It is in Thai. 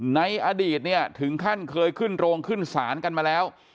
ในอดีตถึงท่านเคยขึ้นโรงขึ้นศาลกันมาแล้ว